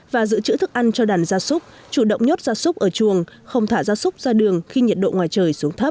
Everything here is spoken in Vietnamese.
và giữ chữ thức ăn cho đàn gia súc chủ động nhốt gia súc ở chuồng không thả gia súc ra đường khi nhiệt độ ngoài trời xuống thấp